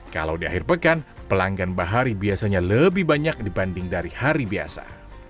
kalau di akhir pekan pelanggan bahari biasanya lebih banyak dibanding dari hari biasa